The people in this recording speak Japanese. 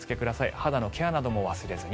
肌のケアなども忘れずに。